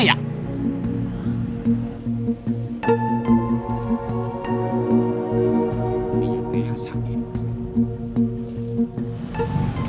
ini yang biasa